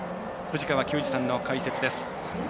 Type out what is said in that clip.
藤川球児さんの解説です。